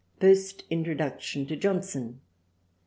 First introduction to Johnson.